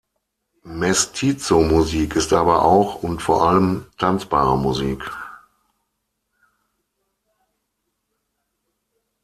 Mestizo-Musik ist aber auch und vor allem tanzbare Musik.